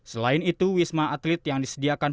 selain itu wisma atlet yang disediakan